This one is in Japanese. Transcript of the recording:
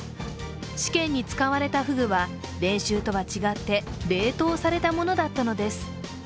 試験に使われたフグは練習とは違って冷凍されたものだったのです。